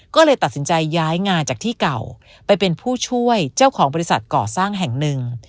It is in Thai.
ก็เลยตัดสินใจย้ายงานจากที่เก่าไปเป็นผู้ช่วยเจ้าของบริษัทก่อสร้างแห่งหนึ่ง